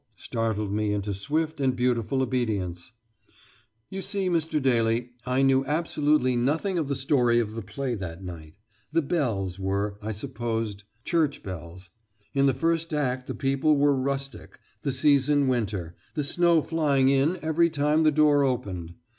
startled me into swift and beautiful obedience, "You see, Mr. Daly, I knew absolutely nothing of the story of the play that night. 'The Bells' were, I supposed, church bells. In the first act the people were rustic the season winter snow flying in every time the door opened.